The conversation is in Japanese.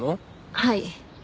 はい。